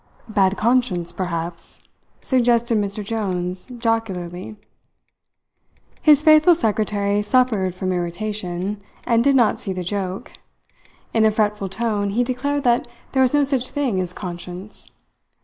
"Bad conscience, perhaps," suggested Mr. Jones jocularly. His faithful secretary suffered from irritation, and did not see the joke. In a fretful tone he declared that there was no such thing as conscience.